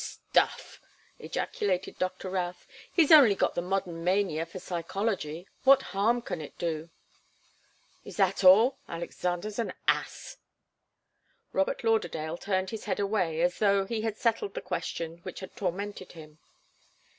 "Stuff!" ejaculated Doctor Routh. "He's only got the modern mania for psychology. What harm can that do?" "Is that all? Alexander's an ass." Robert Lauderdale turned his head away as though he had settled the question which had tormented him.